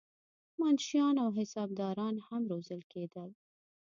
منشیان او حسابداران هم روزل کېدل.